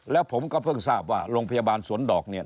แล้วผมก็เพิ่งทราบว่าโรงพยาบาลสวนดอกเนี่ย